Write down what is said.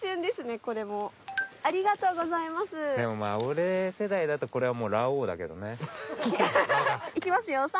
でもまあ俺世代だとこれはもうラオウだけどね。いきますよ。